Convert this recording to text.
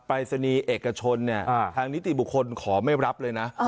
รายศนีย์เอกชนเนี่ยทางนิติบุคคลขอไม่รับเลยนะ